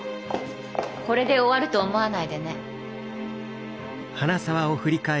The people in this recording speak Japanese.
これで終わると思わないでね。